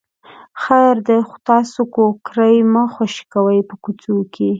خیر دی خو تاسې کوکری مه خوشې کوئ په کوڅو کې.